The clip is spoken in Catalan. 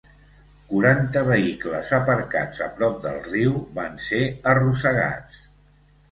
Quaranta vehicles aparcats a prop del riu van ser arrossegats.